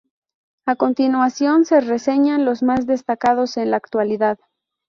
A continuación se reseñan los más destacados en la actualidad.